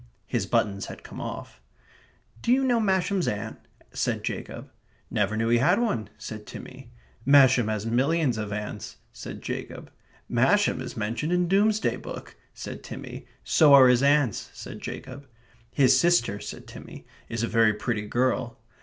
His buttons had come off. "D'you know Masham's aunt?" said Jacob. "Never knew he had one," said Timmy. "Masham has millions of aunts," said Jacob. "Masham is mentioned in Domesday Book," said Timmy. "So are his aunts," said Jacob. "His sister," said Timmy, "is a very pretty girl."